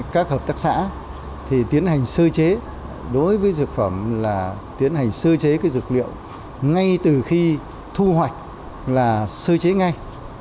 các hợp tác xã thì tiến hành sơ chế đối với dược phẩm là tiến hành sơ chế cái dược liệu ngay từ khi thu hoạch là sơ chế ngay